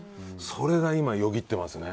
それが今、よぎってますね。